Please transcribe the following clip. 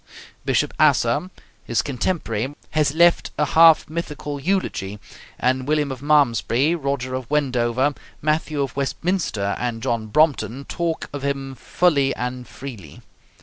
Bishop Asser, his contemporary, has left a half mythical eulogy, and William of Malmesbury, Roger of Wendover, Matthew of Westminster, and John Brompton talk of him fully and freely.